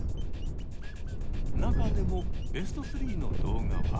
中でもベスト３の動画は？